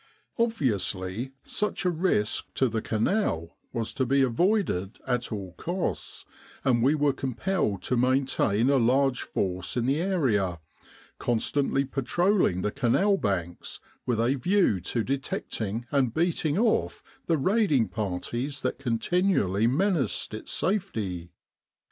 Obviously, such a risk to the Canal was to be avoided at all costs, and we were compelled to main tain a large force in the area, constantly patrolling the Canal banks with a view to detecting and beating off the raiding parties that continually menaced its safety.